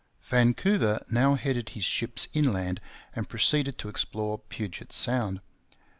Vancouver now headed his ships inland and proceeded to explore Puget Sound.